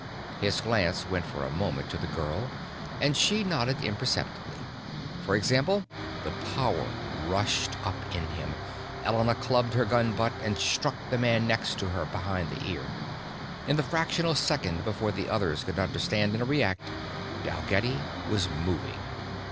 His glance went for a moment to the girl and she nodded imperceptibly. "For example...." The power rushed up in him. Elena clubbed her gun butt and struck the man next to her behind the ear. In the fractional second before the others could understand and react Dalgetty was moving.